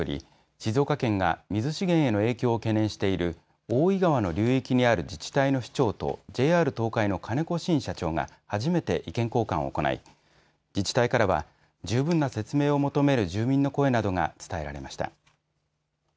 静岡県が水資源への影響を懸念している大井川の流域にある自治体の首長とＪＲ東海の金子慎社長が初めて意見交換を行い自治体からは十分な説明を求める住民の声などが伝えられました。